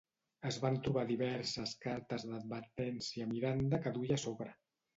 Es van trobar diverses cartes d'advertència Miranda que duia a sobre.